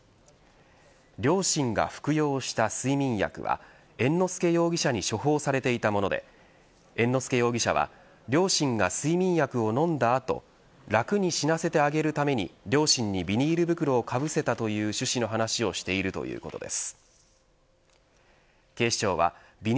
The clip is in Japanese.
両親が服用した睡眠薬は猿之助容疑者に処方されていたもので猿之助容疑者は両親が睡眠薬を飲んだ後楽に死なせてあげるために両親にビニール袋をかぶせたという趣旨の話をしているということです。